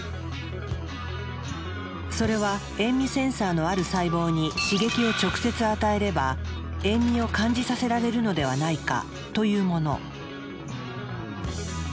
それは塩味センサーのある細胞に刺激を直接与えれば塩味を感じさせられるのではないかというもの。